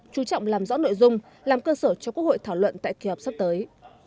chú trọng làm rõ nội dung làm cơ sở cho quốc hội thảo luận tại kỳ họp sắp tới